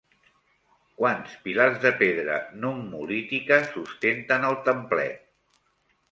Quants pilars de pedra nummulítica sustenten el templet?